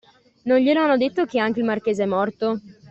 Non glielo hanno detto che anche il marchese è morto?